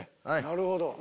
なるほど。